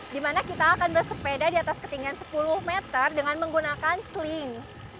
di mana kita akan bersepeda di atas ketinggian sepuluh meter dengan menggunakan seling